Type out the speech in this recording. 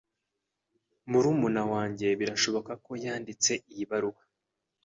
Murumuna wanjye birashoboka ko yanditse iyi baruwa.